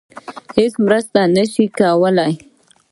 هیڅ مرسته نشم کولی.